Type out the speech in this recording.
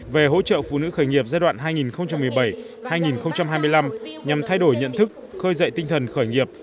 về hỗ trợ phụ nữ khởi nghiệp giai đoạn hai nghìn một mươi bảy hai nghìn hai mươi năm nhằm thay đổi nhận thức khơi dậy tinh thần khởi nghiệp